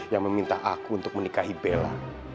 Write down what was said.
yang meminta aku untuk menikahi bella